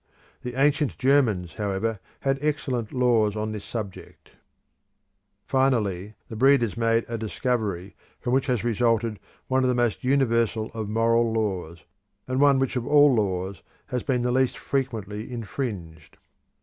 The ancient Germans, however, had excellent laws upon this subject. Finally the breeders made a discovery from which has resulted one of the most universal of moral laws, and one which of all laws has been the least frequently infringed.